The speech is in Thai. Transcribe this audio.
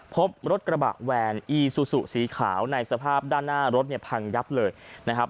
พบรถกระบะแวนอีซูซูสีขาวในสภาพด้านหน้ารถเนี่ยพังยับเลยนะครับ